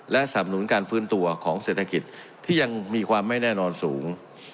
และสำนุนการฟื้นตัวของเศรษฐกิจที่ยังมีความไม่แน่นอนสูง